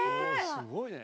すごいね。